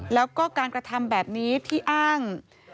แล้วก็การกระทำแบบนี้ที่อ้าง